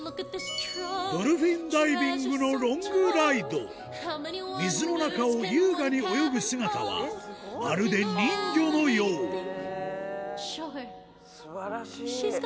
ドルフィンダイビングの水の中を優雅に泳ぐ姿はまるで人魚のよう素晴らしい。